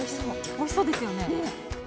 おいしそうですよね。